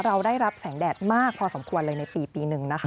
เราได้รับแสงแดดมากพอสมควรเลยในปีหนึ่งนะคะ